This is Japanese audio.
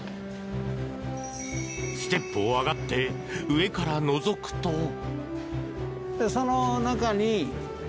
ステップを上がって上からのぞくと。